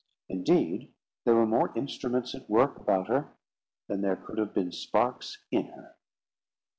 Indeed, there were more instruments at work about her than there could have been sparks in her.